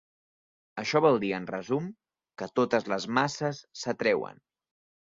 Això vol dir, en resum, que totes les masses s'atreuen.